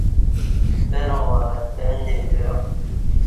بروں وعں بن دی ودعیا